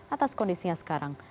atas kondisinya sekarang